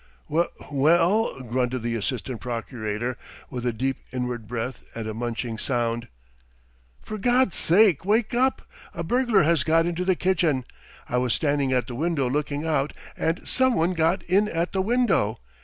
"W well?" grunted the assistant procurator, with a deep inward breath and a munching sound. "For God's sake, wake up! A burglar has got into the kitchen! I was standing at the window looking out and someone got in at the window.